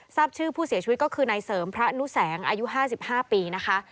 ทราบชื่อผู้เสียชีวิตก็คือนายเสริมพระนุแสงอายุ๕๕ปีนะคะ